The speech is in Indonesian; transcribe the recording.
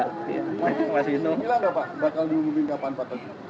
bila enggak pak bakal diumumin kapan pak